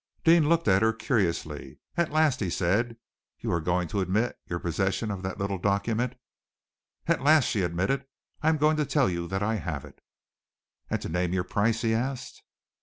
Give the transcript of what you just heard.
Deane looked at her curiously. "At last," he said, "you are going to admit your possession of that little document?" "At last," she admitted, "I am going to tell you that I have it!" "And to name your price?" he asked.